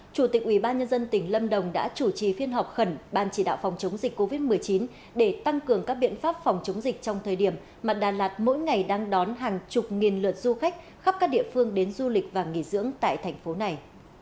chủ tịch ubnd tỉnh lâm đồng đã chủ trì phiên họp khẩn ban chỉ đạo phòng chống dịch covid một mươi chín để tăng cường các biện pháp phòng chống dịch trong thời điểm mặt đà lạt mỗi ngày đang đón hàng chục nghìn lượt du khách khắp các địa phương đến du lịch và nghỉ dưỡng tại thành phố này